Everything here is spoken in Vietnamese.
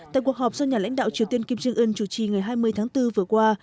tại cuộc họp do nhà lãnh đạo triều tiên kim jong un chủ trì ngày hai mươi tháng bốn vừa qua